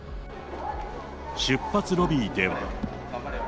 出発ロビーでは。